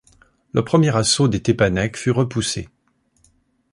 Le premier assaut des Tépanèques fut repoussé.